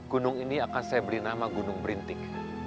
gunung ini akan saya beri nama gunung berintik